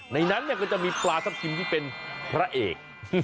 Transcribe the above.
ในนั้นก็จะมีปลาทับทิมที่เป็นพระเอก